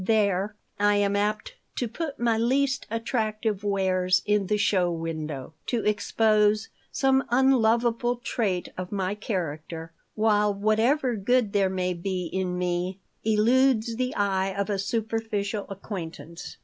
There I am apt to put my least attractive wares in the show window, to expose some unlovable trait of my character, while whatever good there may be in me eludes the eye of a superficial acquaintance.